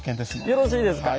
よろしいですか？